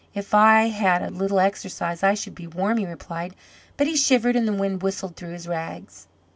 "If I bad a little exercise, I should be warm," he replied. But he shivered, and the wind whistled through his rags.